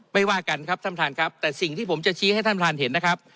ว่ากันครับท่านประธานครับแต่สิ่งที่ผมจะชี้ให้ท่านประธานเห็นนะครับ